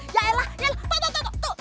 yah eh lah tuh tuh tuh tuh